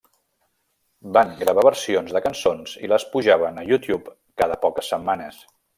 Van gravar versions de cançons i les pujaven a YouTube cada poques setmanes.